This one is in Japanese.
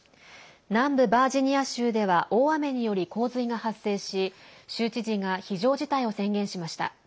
南部バージニア州では大雨により洪水が発生し州知事が非常事態を宣言しました。